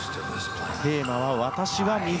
テーマは私は水。